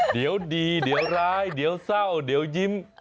เดี๋ยวดีเดี๋ยวร้ายเดี๋ยวเศร้าเดี๋ยวยิ้ม